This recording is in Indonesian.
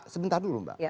sebentar dulu mbak